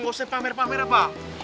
nggak usah pamer pamer apa